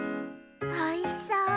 おいしそう。